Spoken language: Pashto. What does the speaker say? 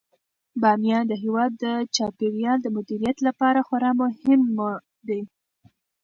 بامیان د هیواد د چاپیریال د مدیریت لپاره خورا مهم دی.